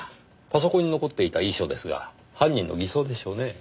パソコンに残っていた遺書ですが犯人の偽装でしょうねぇ。